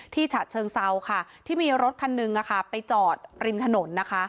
ฉะเชิงเซาค่ะที่มีรถคันหนึ่งไปจอดริมถนนนะคะ